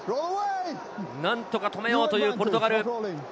なんとか止めようというポルトガル。